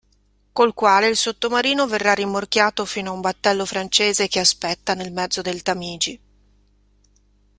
Col quale il sottomarino verrà rimorchiato fino a un battello francese che aspetta, nel mezzo del Tamigi…